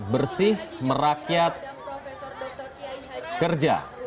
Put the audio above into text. bersih merakyat kerja